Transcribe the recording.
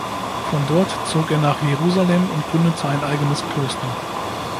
Von dort zog er nach Jerusalem und gründete ein eigenes Kloster.